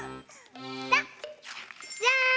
じゃん！